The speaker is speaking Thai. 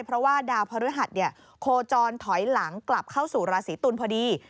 เพราะว่าดาวพระฤทธิ์เนี่ยโคจรถอยหลังกลับเข้าสู่รสิตุลพอดี